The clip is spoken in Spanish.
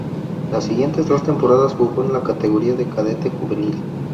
Las siguientes dos temporadas jugó en la categoría de cadete-juvenil.